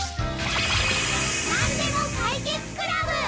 なんでもかいけつクラブ！